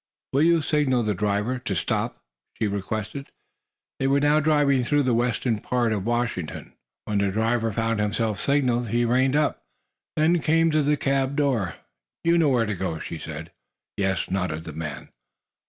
"Will you signal the driver to stop?" she requested. They were now driving through the western part of Washington. When the driver found himself signaled he reined up, then came to the cab door. "You know where to go?" she said. "Yes," nodded the man.